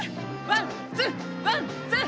ワンツー！